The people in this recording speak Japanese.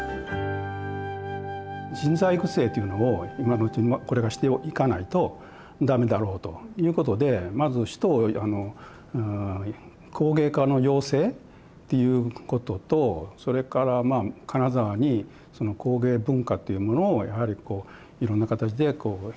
人材育成というのを今のうちにこれからしていかないと駄目だろうということでまず人を工芸家の養成っていうこととそれから金沢に工芸文化っていうものをやはりいろんな形でこう広めていく。